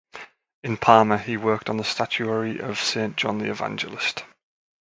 In Parma he worked on the statuary of Saint John the Evangelist.